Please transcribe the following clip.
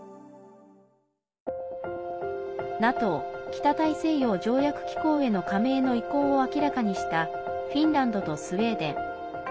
ＮＡＴＯ＝北大西洋条約機構への加盟の意向を明らかにしたフィンランドとスウェーデン。